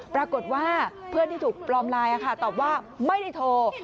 ปรากฏว่าเพื่อนที่ถูกปลอมไลน์ตอบว่าไม่ได้โทร